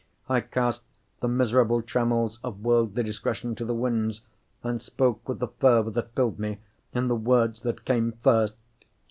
I cast the miserable trammels of worldly discretion to the winds, and spoke with the fervour that filled me, in the words that came first.